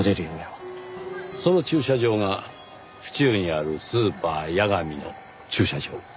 その駐車場が府中にあるスーパーヤガミの駐車場。